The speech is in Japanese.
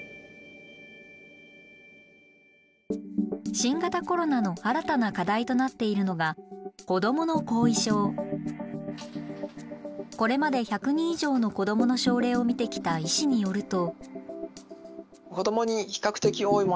新型コロナの新たな課題となっているのがこれまで１００人以上の子どもの症例を診てきた医師によると。